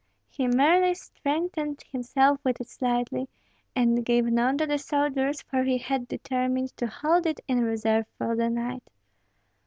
He merely strengthened himself with it slightly, and gave none to the soldiers, for he had determined to hold it in reserve for the night.